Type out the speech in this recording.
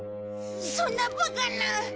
そんなバカな！